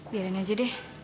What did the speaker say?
biarin aja deh